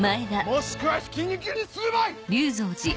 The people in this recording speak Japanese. もしくはひき肉にするばい！